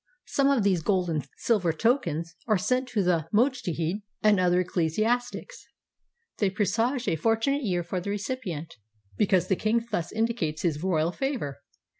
Some of these gold and silver tokens are sent to the mujtehid and other 433 PERSIA ecclesiastics. They presage a fortunate year for the recipient, because the king thus indicates his royal favor.